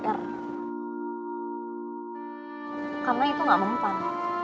karena itu gak mempan